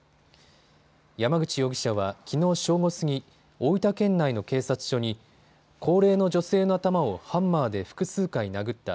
山口容疑者はきのう正午過ぎ、大分県内の警察署に高齢の女性の頭をハンマーで複数回殴った。